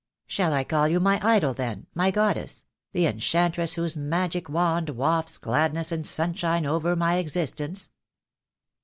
"Shall I call you my idol, then, my goddess — the enchantress whose magic wand wafts gladness and sun shine over my existence?"